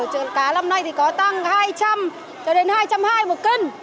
cá năm nay thì có tăng hai trăm linh cho đến hai trăm hai mươi một cân